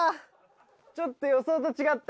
ちょっと予想と違った。